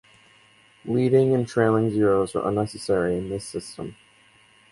Leading and trailing zeros are unnecessary in this system.